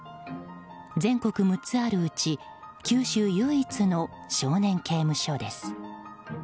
全国６つあるうち九州唯一の少年刑務所です。